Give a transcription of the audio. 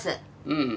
うん。